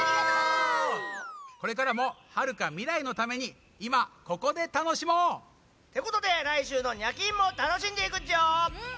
これからもはるかみらいのためにいまここでたのしもう！ってことでらいしゅうの「ニャキーン！」もたのしんでいくっちよ！